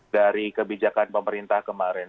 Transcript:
dari kebijakan pemerintah kemarin